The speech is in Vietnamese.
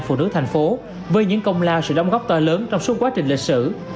phụ nữ thành phố với những công lao sự đóng góp to lớn trong suốt quá trình lịch sử